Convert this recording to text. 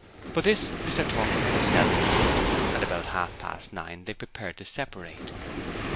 But this Mr. Torkingham seldom did, and about half past nine they prepared to separate.